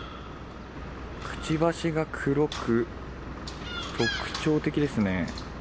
くちばしが黒く、特徴的ですね。